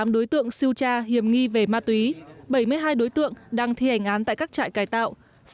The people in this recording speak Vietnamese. hai mươi tám đối tượng siêu tra hiểm nghi về ma túy bảy mươi hai đối tượng đang thi hành án tại các trại cài tạo